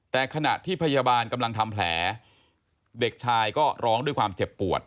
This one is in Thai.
แต่ขณะที่พยาบาลกำลังทำแผลเด็กชายก็ร้องด้วยความเจ็บปวด